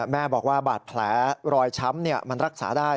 แม่บอกว่าบาดแผลรอยช้ำมันรักษาได้